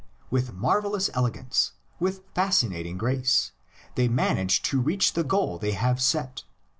With marvellous elegance, with fascinating grace, they manage to reach the goal they have set.